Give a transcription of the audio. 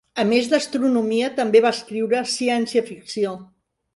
A més d'astronomia, també va escriure ciència ficció.